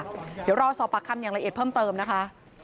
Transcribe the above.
เดี๋ยวรอสอบปากคำอย่างละเอียดเพิ่มเติมนะคะ